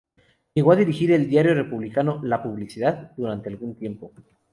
Llegó a dirigir el diario republicano "La Publicidad" durante algún tiempo.